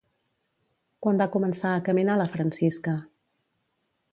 Quan va començar a caminar la Francisca?